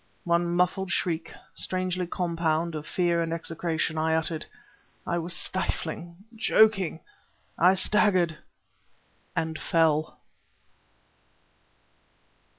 One muffled shriek, strangely compound of fear and execration, I uttered. I was stifling, choking ... I staggered and fell....